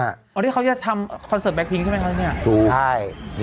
อันนี้เขาจะทำคอนเสิร์ตแบคทิ้งใช่ไหมครับ